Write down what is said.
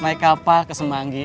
naik kapal ke semanggi